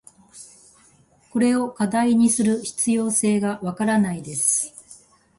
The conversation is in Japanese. これを課題にする必要性が分からないです。